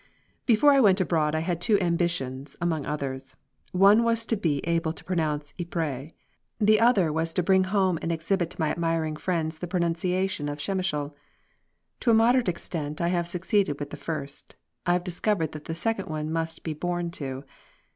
Before I went abroad I had two ambitions among others: One was to be able to pronounce Ypres; the other was to bring home and exhibit to my admiring friends the pronunciation of Przemysl. To a moderate extent I have succeeded with the first. I have discovered that the second one must be born to.